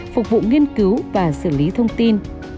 phục vụ nghiên cứu và xử lý thông tin